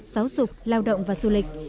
giáo dục lao động và du lịch